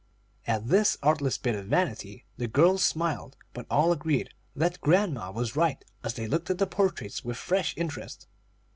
At this artless bit of vanity, the girls smiled, but all agreed that grandma was right, as they looked at the portraits with fresh interest.